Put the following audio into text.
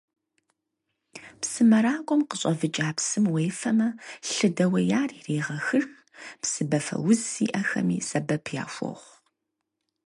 Псымэракӏуэм къыщӏэвыкӏа псым уефэмэ, лъы дэуеяр ирегъэхыж, псыбафэуз зиӏэхэми сэбэп яхуохъу.